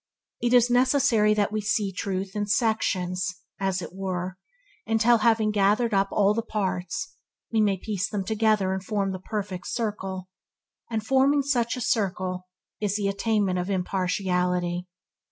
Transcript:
It is necessary that we find see truth in sections, as it were, until, having gathered up all the parts, we may piece them together and form the perfect circle, and the forming of such circle is the attainment of impartiality.